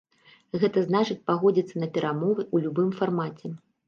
Гэта значыць пагодзіцца на перамовы ў любым фармаце.